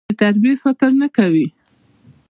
د تربيې فکر نه کوي.